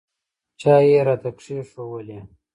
چای یې راته کښېښوولې.